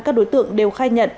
các đối tượng đều khai nhận